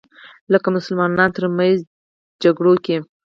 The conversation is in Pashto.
لکه مسلمانانو تر منځ جګړو کې